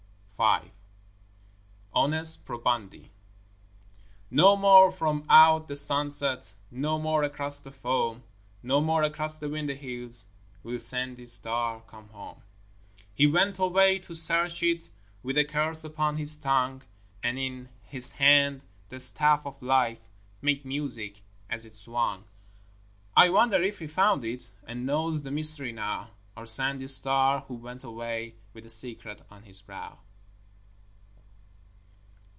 V Onus Probandi No more from out the sunset, No more across the foam, No more across the windy hills Will Sandy Star come home. He went away to search it With a curse upon his tongue: And in his hand the staff of life, Made music as it swung. I wonder if he found it, And knows the mystery now Our Sandy Star who went away, With the secret on his brow.